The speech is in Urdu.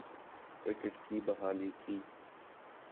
کرکٹ کی بحالی کی